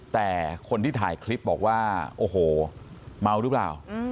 แต่คนที่ถ่ายคลิปบอกว่าโอ้โหเมาหรือเปล่า